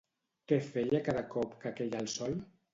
Què feia cada cop que queia el sol?